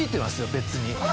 別に。